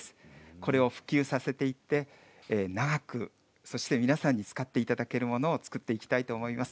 これを普及させていって長くそして皆さんに使っていただけるものを作っていきたいと思います。